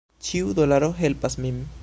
Ĉiu dolaro helpas min.